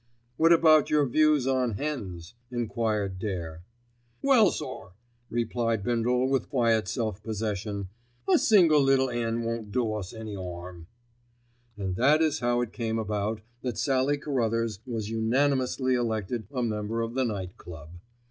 "What about your views on hens?" enquired Dare. "Well, sir," replied Bindle with quiet self possession, "a single little 'en won't do us any 'arm." And that is how it came about that Sallie Carruthers was unanimously elected a member of the Night Club.